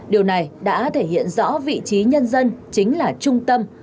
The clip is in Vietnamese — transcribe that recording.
điều này đã thể hiện rõ vị trí nhân dân chính là trung tâm